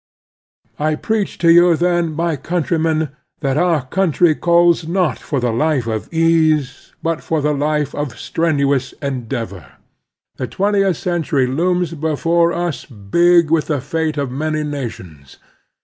I preach to you, then, my coimtrymen, that our country caljLs not for the life of ease but for the life of strenuous endeavor^ The twentieth centtuy looms before us big with the fate of many nations.